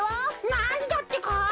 なんだってか？